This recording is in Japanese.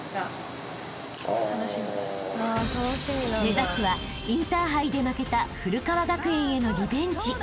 ［目指すはインターハイで負けた古川学園へのリベンジ］